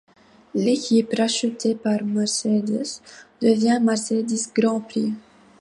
L'équipe, rachetée par Mercedes, devient Mercedes Grand Prix.